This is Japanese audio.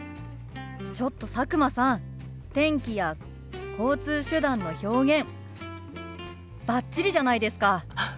ちょっと佐久間さん天気や交通手段の表現バッチリじゃないですか！